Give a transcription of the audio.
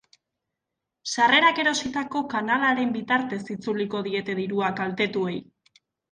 Sarrerak erositako kanalaren bitartez itzuliko diete dirua kaltetuei.